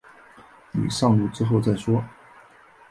你上路之后再说